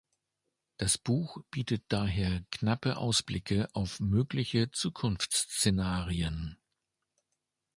Das Buch bietet daher knappe Ausblicke auf mögliche Zukunftsszenarien.